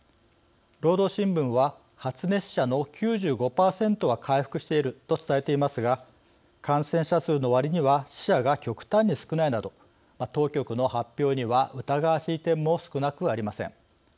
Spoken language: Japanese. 労働新聞は発熱者の９５％は回復していると伝えていますが感染者数のわりには死者が極端に少ないなど当局の発表には疑わしい点も少なくありません。